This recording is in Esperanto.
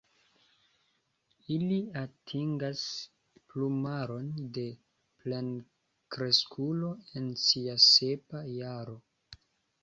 Ili atingas plumaron de plenkreskulo en sia sepa jaro.